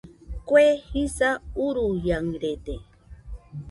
Kue jisa uruiaɨrede